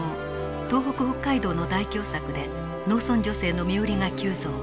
東北北海道の大凶作で農村女性の身売りが急増。